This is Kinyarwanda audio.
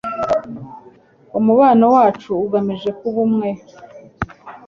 Umubano wacu ugamije kuba umwe